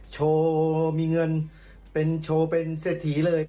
โชว์มีเงินโชว์เป็นเสถีเลย